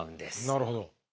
なるほど。